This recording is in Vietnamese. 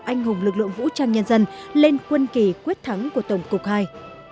anh hùng lực lượng vũ trang nhân dân lên quân kỳ quyết thắng của tổng cục ii